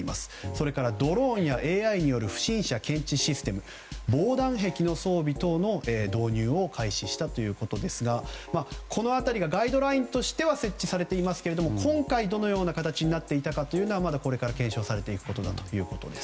それからドローンやＡＩによる不審者検知システム防弾壁の装備等の導入を開始したということですがこの辺りがガイドラインとしては設置されていますが今回どのような形になっていたかはまだこれから検証されていくことだということです。